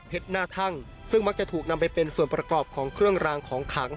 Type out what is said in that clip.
หน้าทั่งซึ่งมักจะถูกนำไปเป็นส่วนประกอบของเครื่องรางของขัง